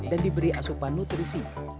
dan diberi asupan nutrisi